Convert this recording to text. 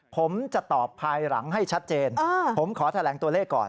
ผมจะตอบภายหลังให้ชัดเจนผมขอแถลงตัวเลขก่อน